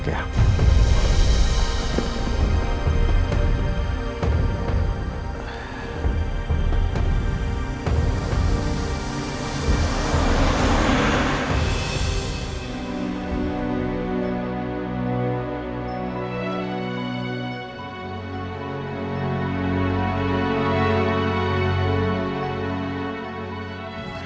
aku akan lupakanmu